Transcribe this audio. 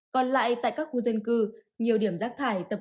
còn lại tại các khu dân cư nhiều điểm rác thải tập